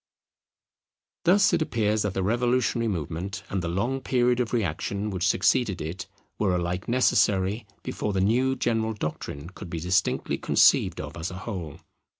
Thus it appears that the revolutionary movement, and the long period of reaction which succeeded it, were alike necessary, before the new general doctrine could be distinctly conceived of as a whole.